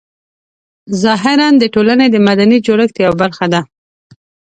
ظاهراً د ټولنې د مدني جوړښت یوه برخه ده.